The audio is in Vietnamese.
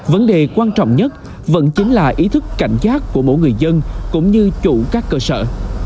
vấn đề quan trọng nhất vẫn chính là ý thức cảnh giác của mỗi người dân cũng như chủ các cơ sở